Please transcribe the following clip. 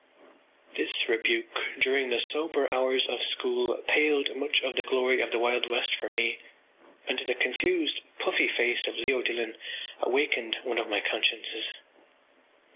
” This rebuke during the sober hours of school paled much of the glory of the Wild West for me and the confused puffy face of Leo Dillon awakened one of my consciences.